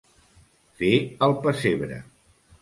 Fer el pessebre.